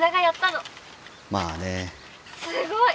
「すごい！